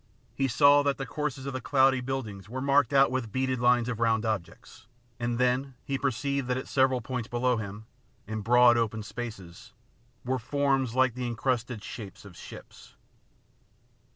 He saw that the courses of the cloudy buildings were marked out with beaded lines of round objects, and then he perceived that at several points below him, in broad open spaces, were forms like the encrusted shapes of ships.